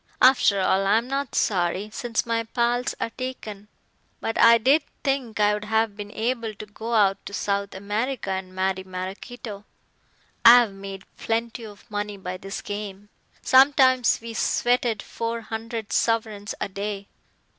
After all, I'm not sorry, since my pals are taken. But I did think I'd have been able to go to South America and marry Maraquito. I've made plenty of money by this game. Sometimes we sweated four hundred sovereigns a day.